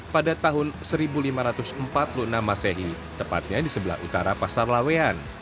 pada tahun seribu lima ratus empat puluh enam masehi tepatnya di sebelah utara pasar lawean